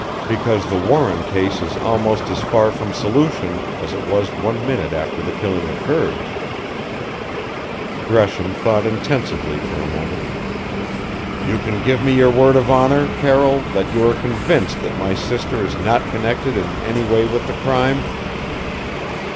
Because the Warren case is almost as far from solution as it was one minute after the killing occurred." Gresham thought intensively for a moment. "You can give me your word of honor, Carroll, that you are convinced that my sister is not connected in any way with the crime?"